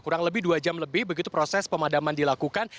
kurang lebih dua jam lebih begitu proses pemadaman dilakukan